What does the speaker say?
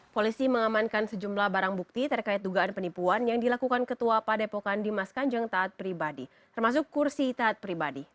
polisi mengamankan sejumlah barang bukti terkait dugaan penipuan yang dilakukan ketua padepokan dimas kanjeng taat pribadi termasuk kursi taat pribadi